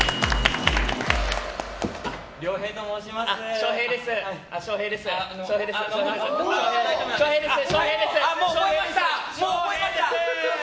涼平と申します。